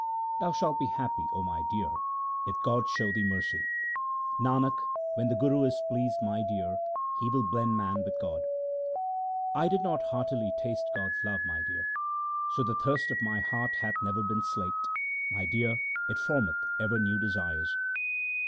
Thou shalt be happy, O my dear, if God show thee mercy. Nanak, when the Guru is pleased, my dear, he will blend man with God. 1 did not heartily taste God's love, my dear ; 1 So the thirst of my heart hath never been slaked ; my dear, it formeth ever new desires.